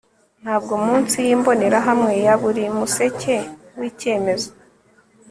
Ntabwo munsi yimbonerahamwe ya buri museke wicyemezo